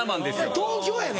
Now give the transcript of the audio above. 東京やで。